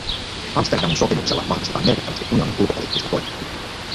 Amsterdamin sopimuksella vahvistetaan merkittävästi unionin ulkopoliittista toimintakykyä.